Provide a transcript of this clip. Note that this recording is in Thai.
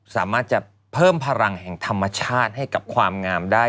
สามารถจะเพิ่มพลังแห่งธรรมชาติให้กับความงามได้